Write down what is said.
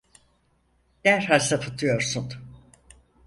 Derhal sapıtıyorsun.